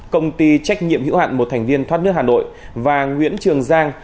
công ty trách nhiệm hữu hạn một thành viên thoát nước hà nội và nguyễn trường giang